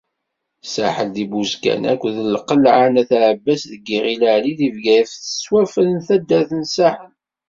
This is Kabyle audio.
Saḥel di Buzgan akked Lqelɛa n At Ɛebbas deg Yiɣil Ɛli di Bgayet, tettwafren taddart n Saḥel.